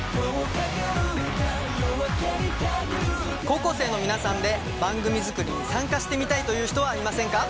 高校生の皆さんで番組作りに参加してみたいという人はいませんか？